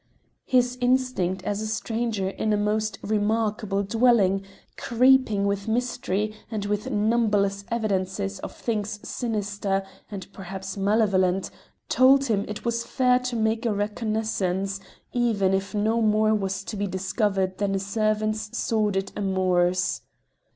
His instinct as a stranger in a most remarkable dwelling, creeping with mystery and with numberless evidences of things sinister and perhaps malevolent, told him it was fair to make a reconnaissance, even if no more was to be discovered than a servant's sordid amours.